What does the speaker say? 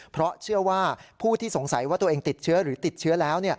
เพราะเชื่อว่าผู้ที่สงสัยว่าตัวเองติดเชื้อหรือติดเชื้อแล้ว